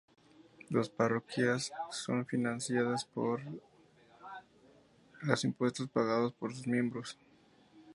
Las parroquias son financiadas por los impuestos pagados por sus miembros.